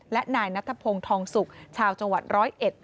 และนายนัทพงศ์ทองสุกชาวจังหวัดร้อยเอ็ด